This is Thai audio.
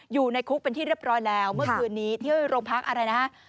อยู่ในคุกเป็นที่เรียบร้อยแล้วเมื่อคืนนี้ที่โรงพักอะไรนะฮะ